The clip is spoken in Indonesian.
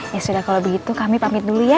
ya sudah kalau begitu kami pamit dulu ya